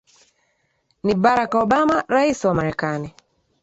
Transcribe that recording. ni barack obama rais wa marekani